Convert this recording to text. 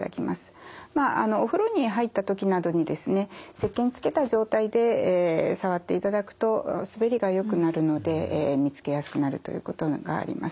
まあお風呂に入った時などにですねせっけんつけた状態で触っていただくと滑りがよくなるので見つけやすくなるということがあります。